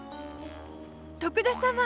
徳田様！